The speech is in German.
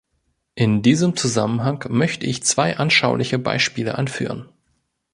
In diesem Zusammenhang möchte ich zwei anschauliche Beispiele anführen.